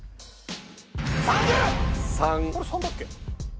これ３だっけ？